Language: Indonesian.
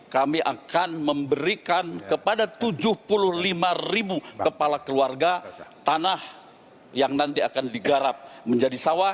kami akan memberikan kepada tujuh puluh lima ribu kepala keluarga tanah yang nanti akan digarap menjadi sawah